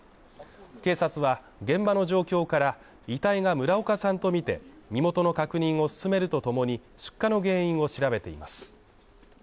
警察は現場の状況から遺体が村岡さんとみて身元の確認を進めるとともに出火の原因を調べています。